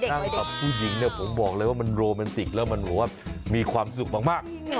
นั่งกับผู้หญิงผมบอกเลยว่ามันโรแมนติกแล้วมันมีความสุขมาก